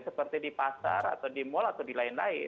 seperti di pasar di mall atau di lain lain